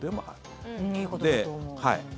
いいことだと思う。